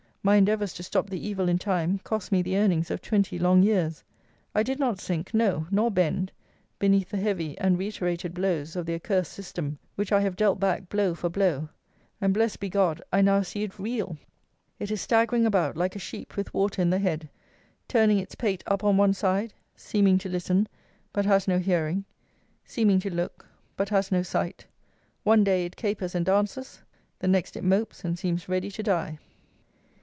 My endeavours to stop the evil in time cost me the earnings of twenty long years! I did not sink, no, nor bend, beneath the heavy and reiterated blows of the accursed system, which I have dealt back blow for blow; and, blessed be God, I now see it reel! It is staggering about like a sheep with water in the head: turning its pate up on one side: seeming to listen, but has no hearing: seeming to look, but has no sight: one day it capers and dances: the next it mopes and seems ready to die.